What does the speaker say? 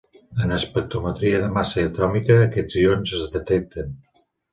En espectrometria de massa atòmica, aquests ions es detecten.